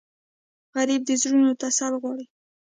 غریب د زړونو تسل غواړي